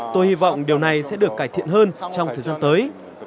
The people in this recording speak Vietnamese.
tôi hy vọng điều này sẽ được cải thiện hơn trong thời gian tới